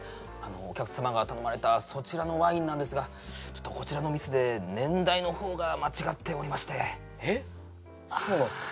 お客様が頼まれたそちらのワインなんですがこちらのミスで年代の方が間違っておりましてえっそうなんすか？